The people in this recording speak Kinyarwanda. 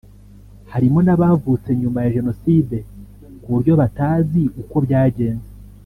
harimo n’abavutse nyuma ya Jenoside ku buryo batazi uko byagenze